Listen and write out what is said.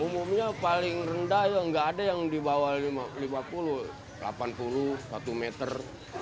umumnya paling rendah nggak ada yang di bawah lima puluh delapan puluh satu meter